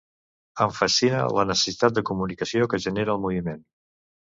Em fascina la necessitat de comunicació que genera el moviment.